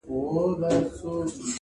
يوه ږغ كړه چي تر ټولو پهلوان يم.!